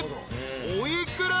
［お幾ら？］